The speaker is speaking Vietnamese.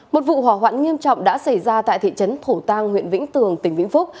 một vụ hỏa hoạn nghiêm trọng đã xảy ra tại thị trấn thổ tàng huyện vĩnh tường tỉnh vĩnh phúc